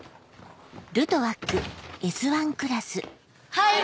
はい！